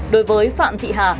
đối với phạm thị hà